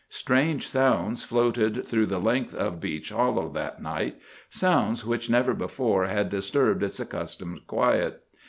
Strange sounds floated through the length of Beech Hollow that night; sounds which never before had disturbed its accustomed quiet.